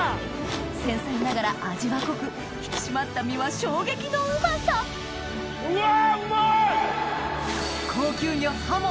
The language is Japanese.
繊細ながら味は濃く引き締まった身は衝撃のうまさうわ！